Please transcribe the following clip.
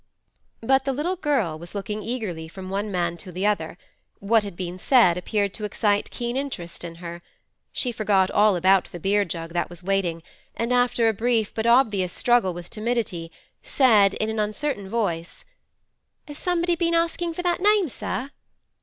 But the little girl was looking eagerly from one man to the other; what had been said appeared to excite keen interest in her. She forgot all about the beer jug that was waiting, and, after a brief but obvious struggle with timidity, said in an uncertain voice: 'Has somebody been asking for that name, sir?